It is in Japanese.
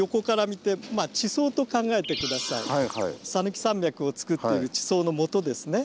讃岐山脈をつくっている地層のもとですね。